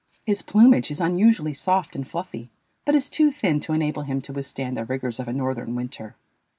His plumage is unusually soft and fluffy, but is too thin to enable him to withstand the rigors of a northern winter.